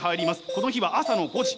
この日は朝の５時。